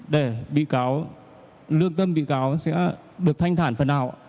để lương tâm bị cáo sẽ được thanh thản phần nào